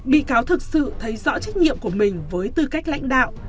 bị cáo thực sự thấy rõ trách nhiệm của mình với tư cách lãnh đạo